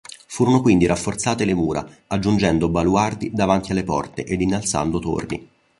Furono quindi rafforzate le mura, aggiungendo baluardi davanti alle porte ed innalzando torri.